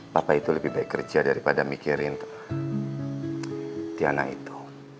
papa itu lebih baik kerja daripada mikirin tiana itu